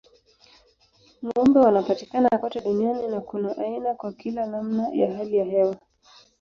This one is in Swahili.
Ng'ombe wanapatikana kote duniani na kuna aina kwa kila namna ya hali ya hewa.